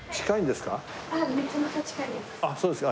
あっそうですか。